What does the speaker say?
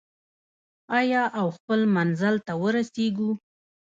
آیا او خپل منزل ته ورسیږو؟